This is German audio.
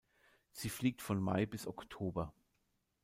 Sie fliegt von Mai bis Oktober.